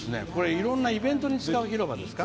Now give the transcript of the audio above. いろんなイベントに使う広場ですか？